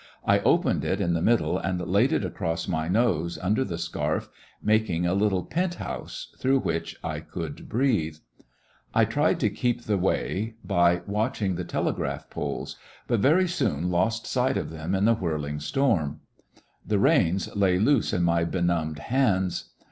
I opened it in the middle and laid it across my nose under the scarf, making a little pent house through which I could breathe. I tried to keep the way by watching the Lost in the telegraph poles, but very soon lost sight of them in the whirling storm. The reins lay loose in my benumbed hands.